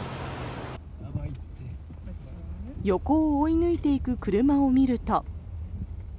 横を追い抜いていく車を見ると。